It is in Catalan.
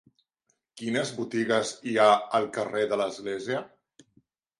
Quines botigues hi ha al carrer de l'Església?